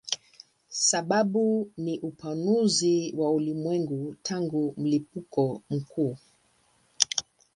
Sababu ni upanuzi wa ulimwengu tangu mlipuko mkuu.